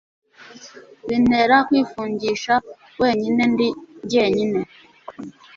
bintera kwifungisha wenyinendi jyenyine